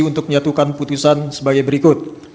untuk menyatukan putusan sebagai berikut